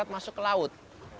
masuk ke laut